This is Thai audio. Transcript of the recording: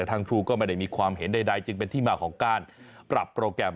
ทางครูก็ไม่ได้มีความเห็นใดจึงเป็นที่มาของการปรับโปรแกรม